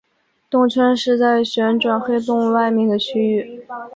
动圈是在旋转黑洞外面的区域。